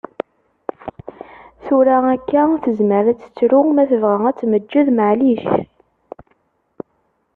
Tura akka tezmer ad tettru, ma tebɣa ad ttmeǧǧed, maɛlic.